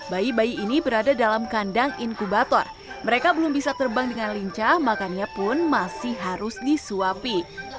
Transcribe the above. bayi bayi ini berada dalam kandang inkubator mereka belum bisa terbang dengan lincah makannya pun masih harus disuapi